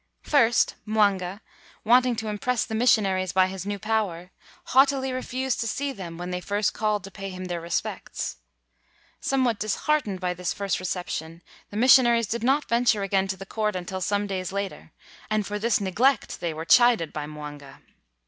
First, Mwanga, wanting to impress the missionaries by his new power, haughtily refused to see them when they first called to pay him their respects. Somewhat dis heartened by this first reception, the mis sionaries did not venture again to the court 201 WHITE MAN OF WORK until some days later; and for this neglect they were chided by Mwanga.